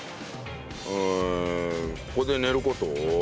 うーんここで寝る事を？